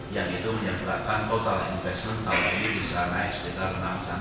yang itu menyebabkan pengembangan total tahun ini bisa naik sekitar enam sepuluh persen